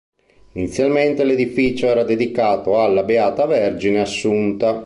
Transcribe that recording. Inizialmente l'edificio era dedicato alla Beata Vergine Assunta.